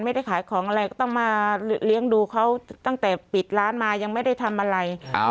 ไม่ได้ขายของอะไรก็ต้องมาเลี้ยงดูเขาตั้งแต่ปิดร้านมายังไม่ได้ทำอะไร